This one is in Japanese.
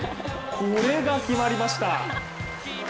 これが決まりました。